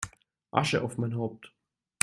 Asche auf mein Haupt!